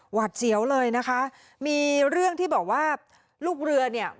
หวัดเสียวเลยนะคะมีเรื่องที่บอกว่าลูกเรือเนี่ย